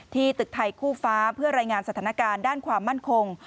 ตึกไทยคู่ฟ้าเพื่อรายงานสถานการณ์ด้านความมั่นคง